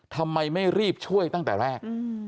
ทำไมไม่รีบช่วยตั้งแต่แรก